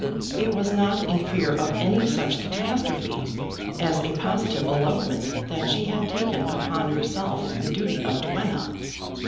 It was not in fear of any such catastrophe as a positive elopement that she had taken upon herself the duty of duenna.